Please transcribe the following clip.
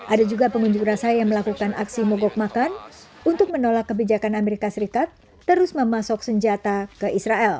ada juga pengunjuk rasa yang melakukan aksi mogok makan untuk menolak kebijakan amerika serikat terus memasuk senjata ke israel